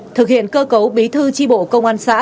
thực hiện cơ cấu bí thư tri bộ công an xã